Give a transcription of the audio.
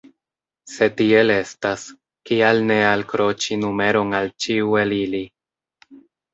Se tiel estas, kial ne alkroĉi numeron al ĉiu el ili?